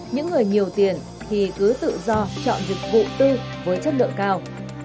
những người nhiều tiền thì cứ tự do chọn dịch vụ tư với chất lượng cao